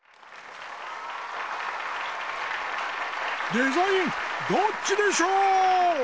「デザインどっちでショー」！